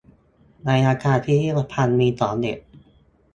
ในอาคารพิพิธภัณฑ์มีของเด็ด